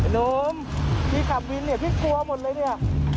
โน้มพี่กลับวินเนี่ยพี่กลัวหมดเลยเนี่ย